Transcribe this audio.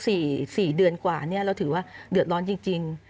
เพราะ๔เดือนกว่าเนี่ยเราถือว่าเดือดร้อนจริง